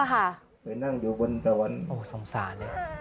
โอ้โฆสงสารเลย